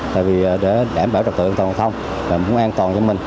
tại vì để đảm bảo trọng tội an toàn giao thông và muốn an toàn cho mình